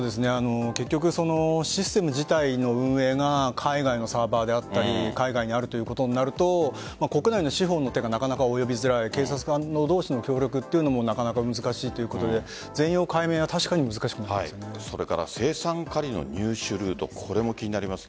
結局、システム自体の運営が海外のサーバーであったり海外にあるということになると国内の司法の手がなかなか及びづらい。警察官同士の協力もなかなか難しいということで青酸カリの入手ルートこれも気になります。